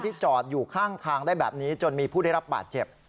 จอดอยู่ข้างทางได้แบบนี้จนมีผู้ได้รับบาดเจ็บ